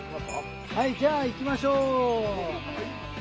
はいじゃあ行きましょう。